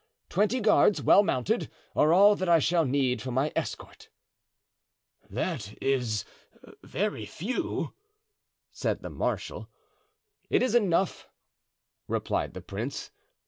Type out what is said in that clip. Twenty guards, well mounted, are all that I shall need for my escort." "That is very few," said the marshal. "It is enough," replied the prince.